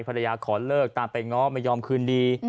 ขอเลิกตามไปง้อไม่ยอมคืนดี